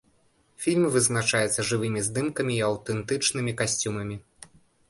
Фільм вызначаецца жывымі здымкамі і і аўтэнтычнымі касцюмамі.